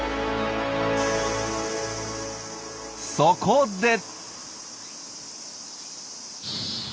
そこで！